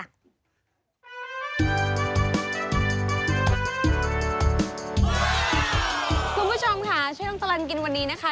คุณผู้ชมค่ะช่วงตลอดกินวันนี้นะคะ